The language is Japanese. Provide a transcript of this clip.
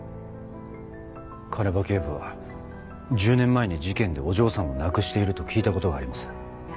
鐘場警部は１０年前に事件でお嬢さんを亡くしていると聞いたことがあります。